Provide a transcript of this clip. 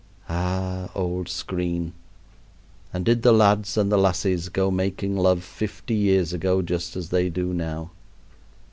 Ah! old screen, and did the lads and the lassies go making love fifty years ago just as they do now?